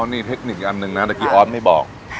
อ๋อนี่เทคนิคอันนึงนะตะกี้อ๊อสไม่บอก